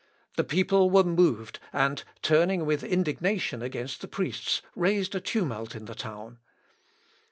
The people were moved, and, turning with indignation against the priests, raised a tumult in the town.